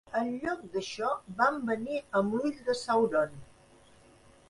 En lloc d'això, van venir amb l'Ull de Sàuron.